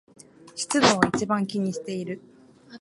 湿度を一番気にしている